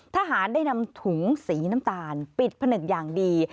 ทหารได้นำถุงสีน้ำตาลปิดผนึกอย่างดี